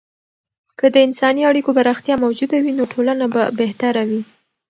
که د انساني اړیکو پراختیا موجوده وي، نو ټولنه به بهتره وي.